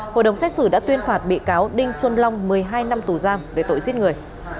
hội đồng xét xử đã tuyên phạt bị cáo đinh xuân long một mươi hai năm tù giam về tội giết người